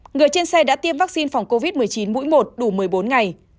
người trên xe đã tiêm vaccine phòng covid một mươi chín mũi một đủ một mươi bốn ngày